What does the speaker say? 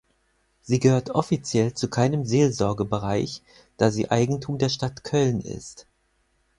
Sie gehört offiziell zu keinem Seelsorgebereich, da sie Eigentum der Stadt Köln ist.